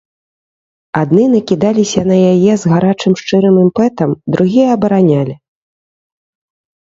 Адны накідаліся на яе з гарачым, шчырым імпэтам, другія абаранялі.